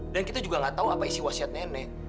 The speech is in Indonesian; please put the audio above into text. dan kita juga nggak tahu apa isi wasiat nenek